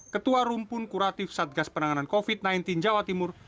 ketua rumpun kuratif satgas penanganan covid sembilan belas jawa timur